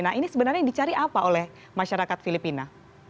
nah ini sebenarnya dicari apa oleh masyarakat filipina